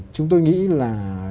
chúng tôi nghĩ là